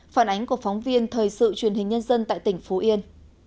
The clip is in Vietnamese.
phản ánh của phóng viên thời sự truyền hình nhân dân tại tỉnh phú yên